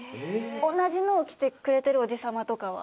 同じのを着てくれてるおじさまとかは。